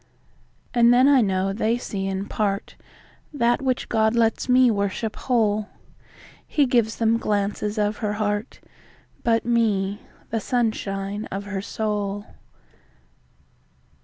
And then I know they see in partThat which God lets me worship whole:He gives them glances of her heart, But me, the sunshine of her soul.